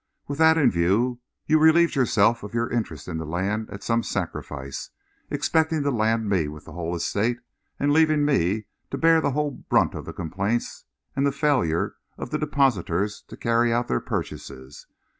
With that in view, you relieved yourselves of your interest in the land at some sacrifice, expecting to land me with the whole estate, and leaving me to bear the whole brunt of the complaints and the failure of the depositors to carry out their purchases.